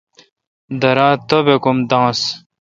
درا تہ توبک ام داںنس